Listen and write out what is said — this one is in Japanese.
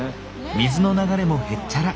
水の流れもへっちゃら。